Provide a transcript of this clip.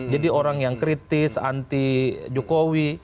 jadi orang yang kritis anti jokowi